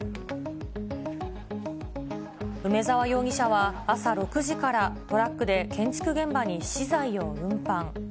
梅沢容疑者は朝６時からトラックで建築現場に資材を運搬。